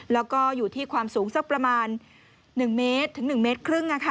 แล้วก็อยู่ที่ความสูงสักประมาณ๑เมตรถึง๑เมตรครึ่ง